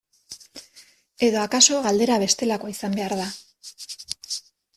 Edo akaso galdera bestelakoa izan behar da.